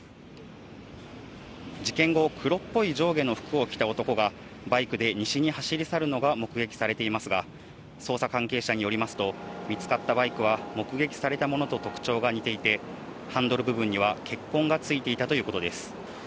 事件後、黒っぽい上下の服を着た男が、バイクで西に走り去るのが目撃されていますが、捜査関係者によりますと、見つかったバイクは目撃されたものと特徴が似ていて、ハンドル部分には血痕がついていたということです。